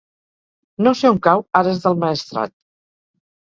No sé on cau Ares del Maestrat.